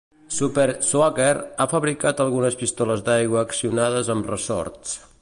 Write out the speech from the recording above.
Super Soaker ha fabricat algunes pistoles d'aigua accionades amb ressorts.